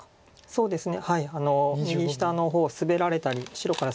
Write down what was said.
そうですね。